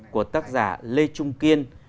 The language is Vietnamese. của tác giả lê trung kiên